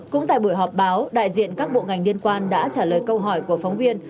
cũng tại buổi họp báo đại diện các bộ ngành liên quan đã trả lời câu hỏi của phóng viên